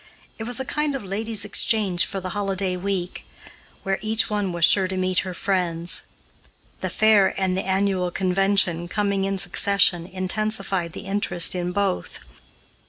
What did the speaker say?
It was a kind of ladies' exchange for the holiday week, where each one was sure to meet her friends. The fair and the annual convention, coming in succession, intensified the interest in both.